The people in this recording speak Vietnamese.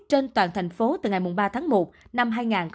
trên toàn tp hcm từ ngày ba tháng một năm hai nghìn hai mươi hai